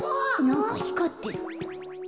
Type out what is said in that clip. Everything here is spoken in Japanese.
なんかひかってる。